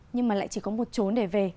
nhưng mà lại chỉ có một chỗ để về